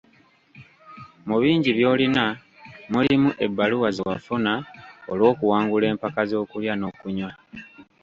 Mu bingi by’olina mulimu ebbaluwa ze wafuna olw’okuwangula empaka z’okulya n’okunywa.